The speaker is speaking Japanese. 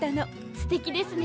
すてきですね。